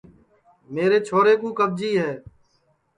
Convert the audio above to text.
میرے چھورے کُو کٻجی ہوئی گی